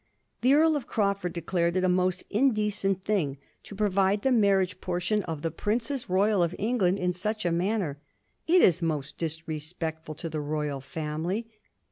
The Earl of Crawford declared it a most indecent thing to provide the marriage portion of the Princess Royal of England in such a manner; ^' it is most disrespectful to the royal family."